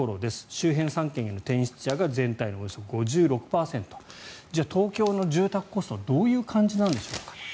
周辺３県への転出者が全体のおよそ５６％じゃあ、東京の住宅コストどういう感じなんでしょうか。